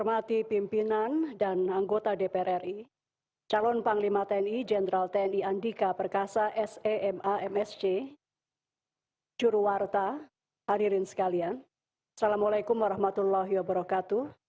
assalamualaikum warahmatullahi wabarakatuh